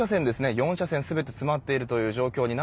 ４車線全て詰まっている状況です。